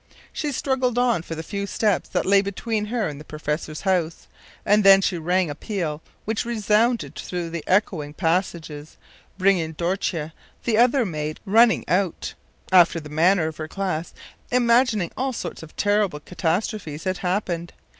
She struggled on for the few steps that lay between her and the professor’s house, and then she rang a peal which resounded through the echoing passages, bringing Dortje, the other maid, running out; after the manner of her class, imagining all sorts of terrible catastrophes had happened.